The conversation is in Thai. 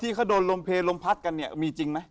ที่เขาโดนลมเพลลมพัดกันเนี่ยมีจริงไหม